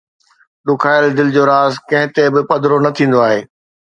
ڏکايل دل جو راز ڪنهن تي به پڌرو نه ٿيندو آهي